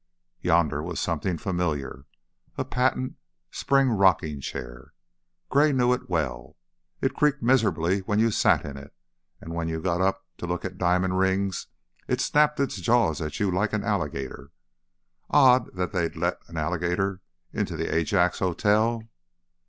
Yonder was something familiar; a patent, spring rocking chair. Gray knew it well. It creaked miserably when you sat in it, and when you got up to look at diamond rings it snapped its jaws at you like an alligator. Odd that they'd let an alligator into the Ajax Hotel.